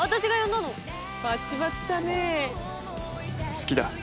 「好きだ」